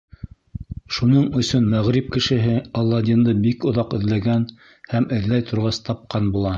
Шуның өсөн мәғриб кешеһе Аладдинды бик оҙаҡ эҙләгән һәм, эҙләй торғас, тапҡан була.